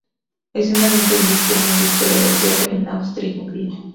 Adicionalmente invirtió en la industria del hierro en Austria y Hungría.